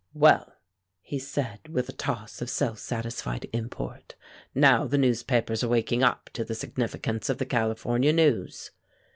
"Well," he said, with a toss of self satisfied import. "Now the newspapers are waking up to the significance of the California news."